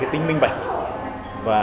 tính minh bạch và